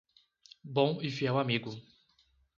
Bom e fiel amigo!